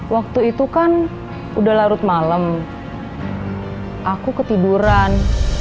waktu itu kan udah larut malam aku ketiburan